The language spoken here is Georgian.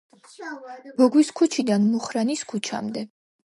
ბოგვის ქუჩიდან მუხრანის ქუჩამდე.